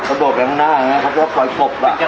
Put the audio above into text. ประโดชน์แห่งหน้าเนี่ยถ้าอยุ่อะไรก็ปล่วยสบบป่ะ